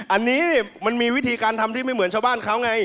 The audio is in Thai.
อันนี้มันมีวิธีการทำที่ไม่เหมือนชาวบ้านเขาไง